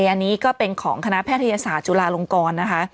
อันนี้ก็เป็นของคณะแพทยศาสตร์จุฬาลงกรนะคะ